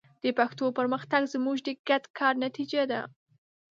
د پښتو پرمختګ زموږ د ګډ کار نتیجه ده.